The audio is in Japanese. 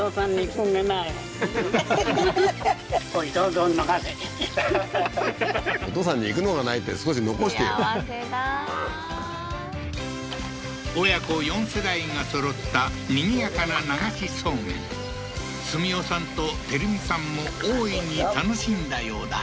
幸せだ親子４世代がそろったにぎやかな流しそうめん澄夫さんと照美さんも多いに楽しんだようだ